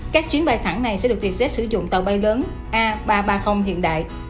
các chuyến bay thẳng này sẽ được vietjet sử dụng tàu bay lớn a ba trăm ba mươi hiện đại